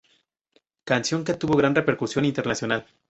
Canción que tuvo gran repercusión internacional.